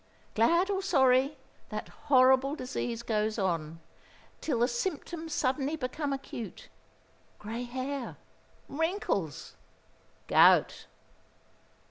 Glad or sorry, that horrible disease goes on, till the symptoms suddenly become acute grey hair, wrinkles, gout."